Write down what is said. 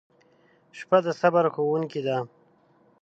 • شپه د صبر ښوونکې ده.